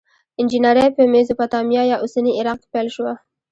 انجنیری په میزوپتامیا یا اوسني عراق کې پیل شوه.